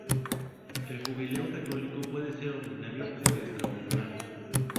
El jubileo católico puede ser ordinario o extraordinario.